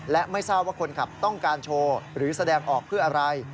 และไม่ทราบว่าคนขับต้องการโชว์หรือแสดงออกเพื่ออะไร